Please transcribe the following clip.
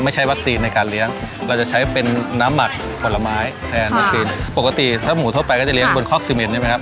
ใช้วัคซีนในการเลี้ยงเราจะใช้เป็นน้ำหมักผลไม้แทนวัคซีนปกติถ้าหมูทั่วไปก็จะเลี้ยบนคอกซีเมนใช่ไหมครับ